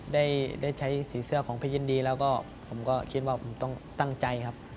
ได้ใช้สีเสื้อของพี่ยินดีแล้วก็ผมก็คิดว่าผมต้องตั้งใจครับ